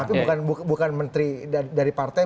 tapi bukan menteri dari partai